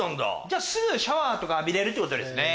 じゃあすぐシャワーとか浴びれるってことですね。